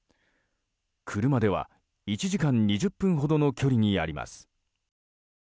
車では１時間２０分ほどの距離にあります。